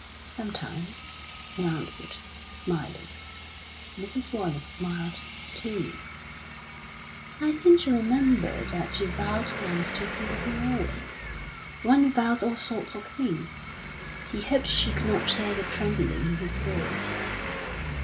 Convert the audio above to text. "Sometimes," he answered, smiling. Mrs. Wallace smiled, too. "I seem to remember that you vowed once to think of me always." "One vows all sorts of things." He hoped she could not hear the trembling in his voice.